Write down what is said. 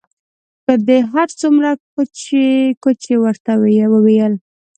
که دې هر څومره کوچې کوچې ورته وویلې.